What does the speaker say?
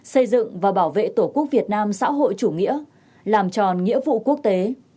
xây dựng và bảo vệ tổ quốc việt nam xã hội chủ nghĩa làm tròn nghĩa vụ quốc tế